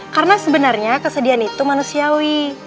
karena sebenarnya kesedihan itu manusiawi